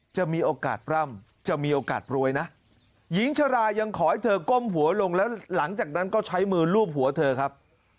จะมีโอกาสปร่ำจะมีโอกาสรวยนะหญิงชรายังขอให้เธอก้มหัวลงแล้วหลังจากนั้นก็ใช้มือลูบหัวเธอครับ